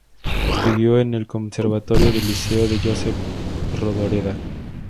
Estudió en el Conservatorio de Liceo con Josep Rodoreda.